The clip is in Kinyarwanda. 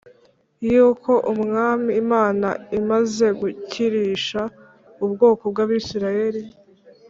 yuko umwami imana imaze gukirisha ubwoko bw’abisirayeli